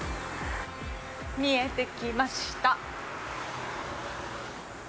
見えてきました。